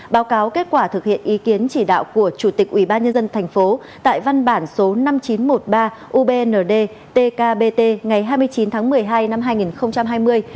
báo cáo kết quả thực hiện ý kiến chỉ đạo của chủ tịch ubnd tp tại văn bản số năm nghìn chín trăm một mươi ba ubnd tkbt ngày hai mươi chín tháng một mươi hai năm hai nghìn hai mươi